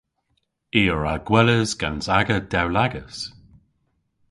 I a wra gweles gans aga dewlagas.